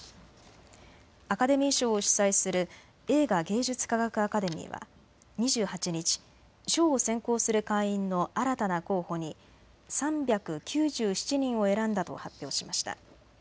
アカデミー賞を主催する映画芸術科学アカデミーは２８日、賞を選考する会員の新たな候補に３９７人を選んだと発表しました。